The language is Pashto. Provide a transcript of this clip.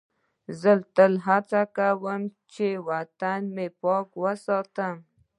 زه تل هڅه کوم چې وطن مې پاک وساتم.